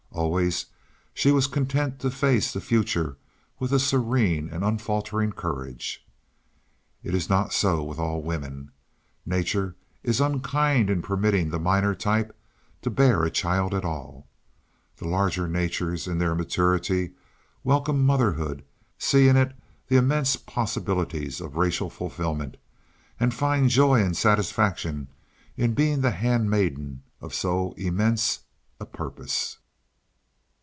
Always she was content to face the future with a serene and unfaltering courage. It is not so with all women. Nature is unkind in permitting the minor type to bear a child at all. The larger natures in their maturity welcome motherhood, see in it the immense possibilities of racial fulfilment, and find joy and satisfaction in being the hand maiden of so immense a purpose.